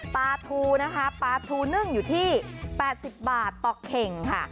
ปลาทูนะคะปลาทูนึ่งอยู่ที่๘๐บาทต่อเข่งค่ะ